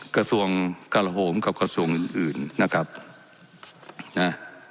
กระทรวงกราโหมกับกระทรวงอื่นอื่นนะครับนะ